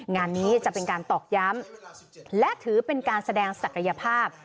งานนี้จะเป็นการตอกย้ำและถือเป็นการแสดงศักยภาพ